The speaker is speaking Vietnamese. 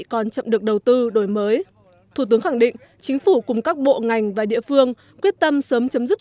còn chậm được đầu tư đổi mới thủ tướng khẳng định chính phủ cùng các bộ ngành và địa phương quyết tâm sớm chấm dứt